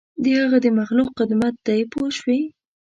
د هغه د مخلوق خدمت دی پوه شوې!.